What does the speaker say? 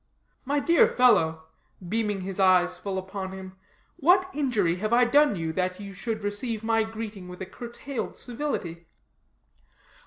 My dear fellow," beaming his eyes full upon him, "what injury have I done you, that you should receive my greeting with a curtailed civility?"